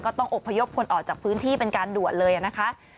ต้องอบพยพคนออกจากพื้นที่เป็นการด่วนเลยนะคะ